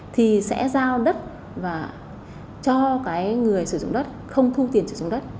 thì sẽ giao đất và cho cái người sử dụng đất không thu tiền sử dụng đất